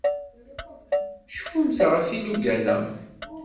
Cfumt ɣef yilugan-a.